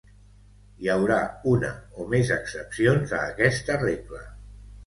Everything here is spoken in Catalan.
Hi haurà una o més excepcions a aquesta regla.